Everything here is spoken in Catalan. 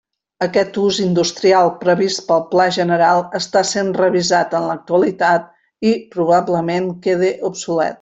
Aquest ús industrial previst pel Pla General està sent revisat en l'actualitat i, probablement, quede obsolet.